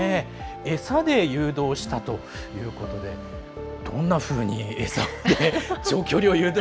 餌で誘導したということでどんなふうに餌で